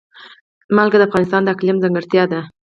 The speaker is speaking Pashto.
نمک د افغانستان د اقلیم ځانګړتیا ده.